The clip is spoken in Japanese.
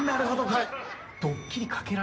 はい。